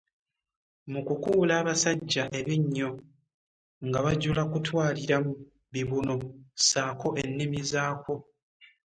Mu kukuula abasajja ebinnyo nga bajula kutwaliramu bibuno ssaako ennimi zaakwo!